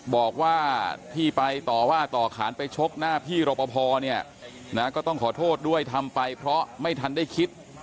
บอกว่าที่ไปต่อว่าต่อขานไปชกหน้าพี่รอปภเนี่ยนะก็ต้องขอโทษด้วยทำไปเพราะไม่ทันได้คิด